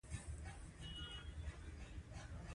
وري هڅه کوله چې د غوا د شیدو په څېر شیدې ورکړي.